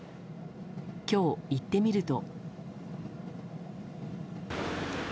今日、行ってみると。